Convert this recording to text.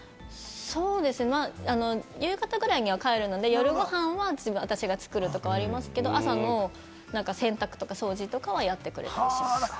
そうですね、夕方ぐらいには帰るので夜ご飯は全部私が作るとかありますけど、朝の洗濯とか、掃除とかはやってくれたりします。